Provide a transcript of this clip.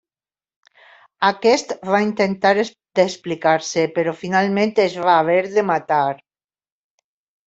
Aquest va intentar d'explicar-se, però finalment es va haver de matar.